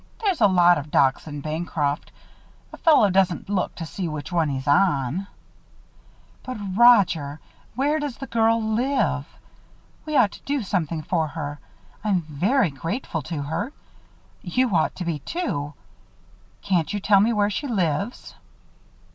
There's a lot of docks in Bancroft a fellow doesn't look to see which one he's on." "But, Roger, where does the girl live? We ought to do something for her. I'm very grateful to her. You ought to be too. Can't you tell me where she lives?"